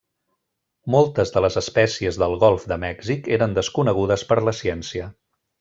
Moltes de les espècies del Golf de Mèxic eren desconegudes per la ciència.